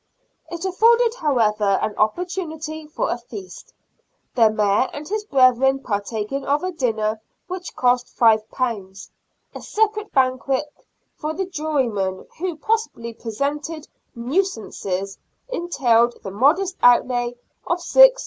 It afforded, however, an opportunity for a feast, the Mayor and his brethren partaking of a dinner which cost £5. A separate banquet for the jurymen, who possibly presented *' nuisances," entailed the modest outlay of 6s.